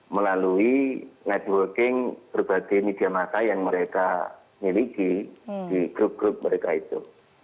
melalui networking berbagai media masa yang mereka miliki di grup grup mereka itu